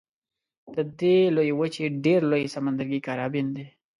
د دې لویې وچې ډېر لوی سمندرګی کارابین دی.